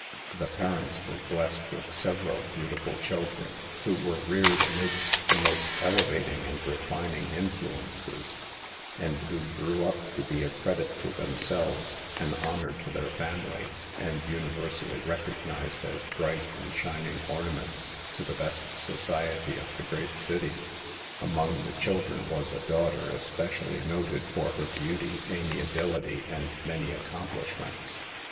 The parents were blessed with several beautiful children, who were reared amidst the most elevating and refining influences, and who grew up to be a JL LOST WOMAN SAVED. 109 credit to themselves, an honor to their family, and universally recognized as bright and shin ing ornaments to the best society of the great city. Among the children was a daughter especially noted for her beauty, amiability and many accomplishments.